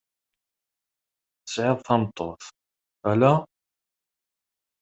Tesɛiḍ tameṭṭut, alla?